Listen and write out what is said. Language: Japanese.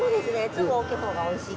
粒大きい方がおいしい。